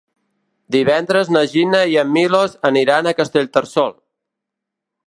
Divendres na Gina i en Milos aniran a Castellterçol.